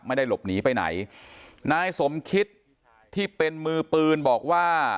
ไม่ได้หลบหนีไปไหนนายสมคิตที่เป็นมือปืนบอกว่า